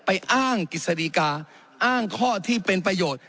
อ้างกฤษฎีกาอ้างข้อที่เป็นประโยชน์